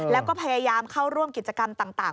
แล้วก็พยายามเข้าร่วมกิจกรรมต่าง